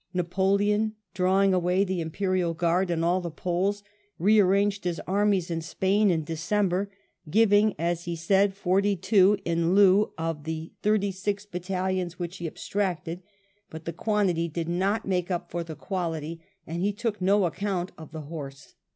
Napoleon, drawing away the Imperial Guard and all the Poles, re arranged his armies in Spain in December, giving, as he said, forty two in lieu of the thirty six battalions which he abstracted, but the quantity did not make up for the quality, and he took no account of the horse.